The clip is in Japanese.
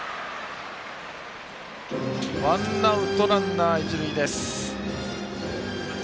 ワンアウトランナー、一塁です。